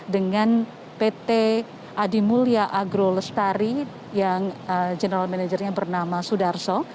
dengan pt adimulya agro lestari yang general managernya bernama sudarso